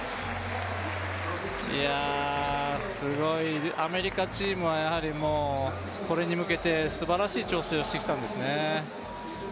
いやあ、すごい、アメリカチームはやはりもうこれに向けてすばらしい調整をしてきたんですね。